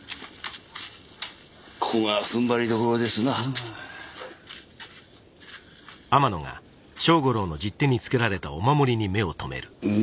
ここがふんばりどころですなうん？